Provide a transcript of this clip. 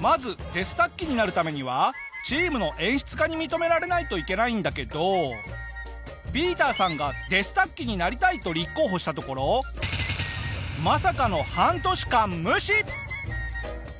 まずデスタッキになるためにはチームの演出家に認められないといけないんだけどＰＩＥＴＥＲさんが「デスタッキになりたい！」と立候補したところまさかの半年間無視！